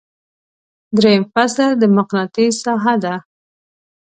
دریم فصل د مقناطیس ساحه ده.